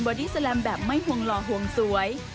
ดี้แลมแบบไม่ห่วงหล่อห่วงสวย